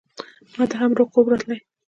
ماته هم خوب راتلی !